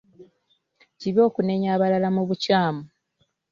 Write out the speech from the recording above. Kibi okunenya abalala mu bukyamu.